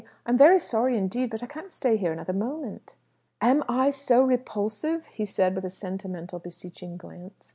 I'm very sorry, indeed, but I can't stay here another moment." "Am I so repulsive?" said he, with a sentimental beseeching glance.